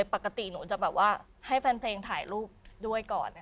ปกติหนูจะแบบว่าให้แฟนเพลงถ่ายรูปด้วยก่อน